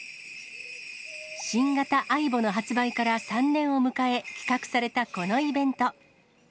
新型ａｉｂｏの発売から３年を迎え、企画されたこのイベント。